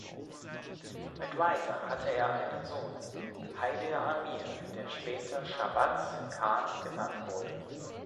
Mit Raisa hatte er einen Sohn, Haider Amir, der später Shahbaz Khan genannt wurde.